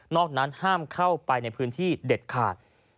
นั้นห้ามเข้าไปในพื้นที่เด็ดขาด